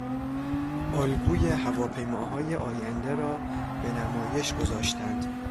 الگوی هواپیماهای آینده را به نمایش گذاشتند.